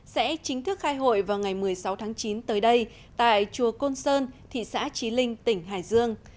sẽ chính thức khai hội vào ngày một mươi sáu tháng chín tới đây tại chùa côn sơn thị xã trí linh tỉnh hải dương